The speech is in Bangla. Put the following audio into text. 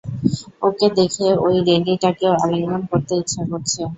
ওকে দেখে ওই রেন্ডিটাকেও আলিঙ্গণ করতে ইচ্ছা করছে।